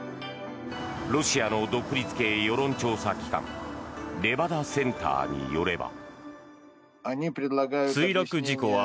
ロシアの独立系世論調査機関レバダ・センターによれば。